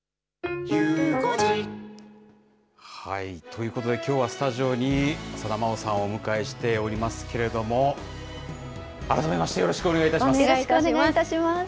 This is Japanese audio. ということで、きょうはスタジオに浅田真央さんをお迎えしておりますけれども、改めましてよろしくお願いします。